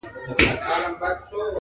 ستا په دې معاش نو کمه خوا سمېږي.